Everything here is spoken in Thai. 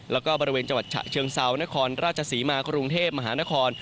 แล้วก็บริเวณจังหวัดฉะเชิงเซานครราชศรีมากรุงเทพมหานคร